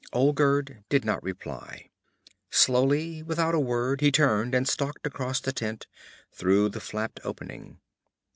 Olgerd did not reply. Slowly, without a word, he turned and stalked across the tent, through the flapped opening.